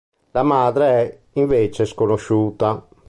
La madre è, invece, sconosciuta.